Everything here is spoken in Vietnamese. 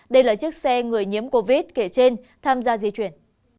đây là chiếc xe người nhiễm covid kể trên tham gia di chuyển